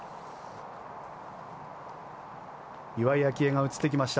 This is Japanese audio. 岩井明愛が映ってきました。